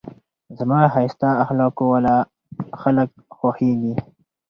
زما ښایسته اخلاقو واله خلک خوښېږي.